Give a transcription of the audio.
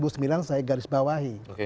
sekarang saya garis bawahi